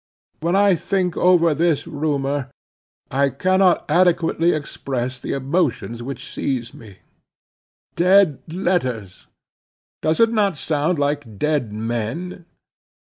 When I think over this rumor, I cannot adequately express the emotions which seize me. Dead letters! does it not sound like dead men?